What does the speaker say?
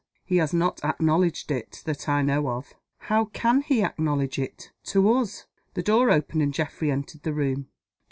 "He has not acknowledged it, that I know of." "How can he acknowledge it to us?" The door opened, and Geoffrey entered the room.